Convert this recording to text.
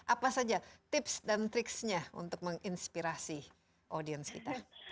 apa saja tips dan triksnya untuk menginspirasi audience kita